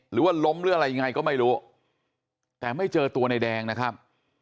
หรือว่าล้มหรืออะไรยังไงก็ไม่รู้แต่ไม่เจอตัวในแดงนะครับ